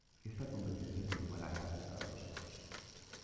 Esta competencia se llevará a cabo cada dos años.